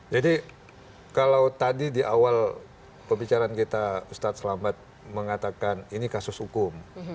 kalau tadi di awal pembicaraan kita ustadz selamat mengatakan ini kasus hukum